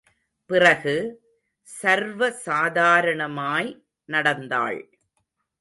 பிறகு, சர்வசாதாரணமாய் நடந்தாள்.